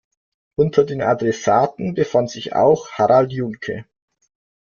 Unter den Adressaten befand sich auch Harald Juhnke.